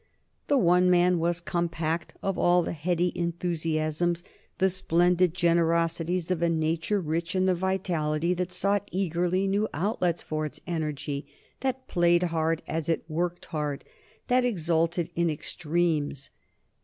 The one man was compact of all the heady enthusiasms, the splendid generosities of a nature rich in the vitality that sought eagerly new outlets for its energy, that played hard as it worked hard, that exulted in extremes.